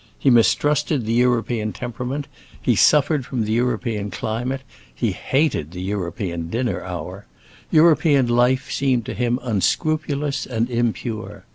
He mistrusted the European temperament, he suffered from the European climate, he hated the European dinner hour; European life seemed to him unscrupulous and impure.